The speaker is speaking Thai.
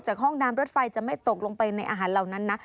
ห้องน้ำรถไฟจะไม่ตกลงไปในอาหารเหล่านั้นนะ